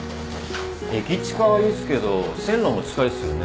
駅近はいいっすけど線路も近いっすよね？